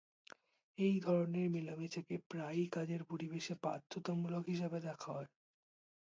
এই ধরনের মেলামেশাকে প্রায়ই কাজের পরিবেশে বাধ্যতামূলক হিসেবে দেখা হয়।